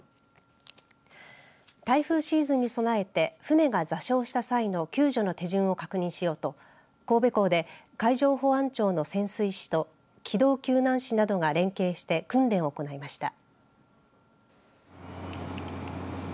台風シーズンに備えて船が座礁した際の救助の手順を確認しようと神戸港で、海上保安庁の潜水士と機動救難士などが連携して訓練を行いました。